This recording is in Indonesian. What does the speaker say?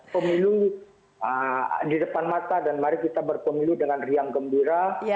pemilu di depan mata dan mari kita berpemilu dengan riang gembira